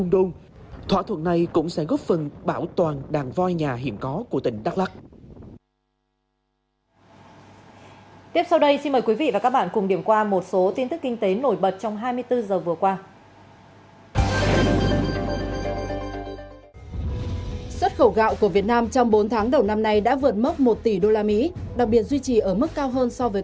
do đó bảo tồn voi là việc làm cấp bách